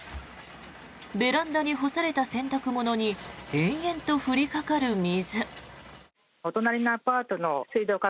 ベランダに干された洗濯物に延々と降りかかる水。